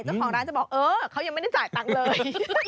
เจ้าของร้านจะบอกเออเขายังไม่ได้จ่ายตังค์เลย